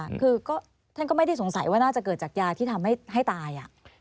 คือก็ท่านก็ไม่ได้สงสัยว่าน่าจะเกิดจากยาที่ทำให้ตายอ่ะ